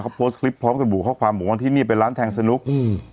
เขาโพสต์คลิปพร้อมกับบุข้อความบอกว่าที่นี่เป็นร้านแทงสนุกอืม